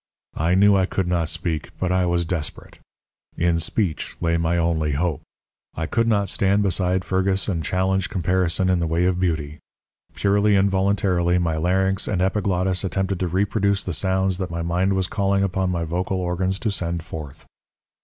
I knew I could not speak, but I was desperate. In speech lay my only hope. I could not stand beside Fergus and challenge comparison in the way of beauty. Purely involuntarily, my larynx and epiglottis attempted to reproduce the sounds that my mind was calling upon my vocal organs to send forth.